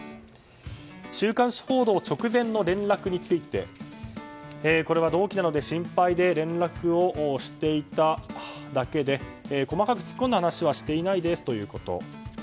週刊誌報道直前の連絡について同期なので心配で連絡をしていただけで細かく突っ込んだ話はしていないですということ。